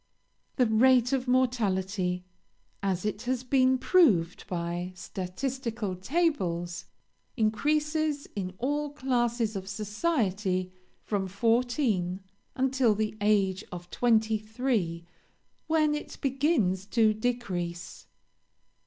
The rate of mortality, as it has been proved by statistical tables, increases in all classes of society from fourteen until the age of twenty three, when it begins to decrease.